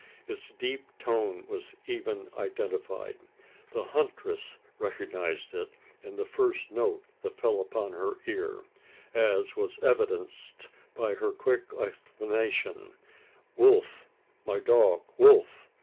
Its deep tone was even identified. The huntress recognised it in the first note that fell upon her ear as was evidenced by her quick exclamation: "Wolf! my dog Wolf!"